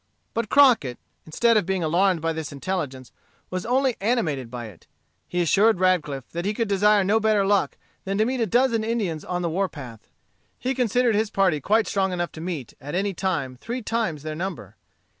But Crockett, instead of being alarmed by this intelligence, was only animated by it. He assured Radcliff that he could desire no better luck than to meet a dozen Indians on the war path. He considered his party quite strong enough to meet, at any time, three times their number.